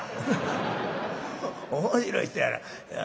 「面白い人やな。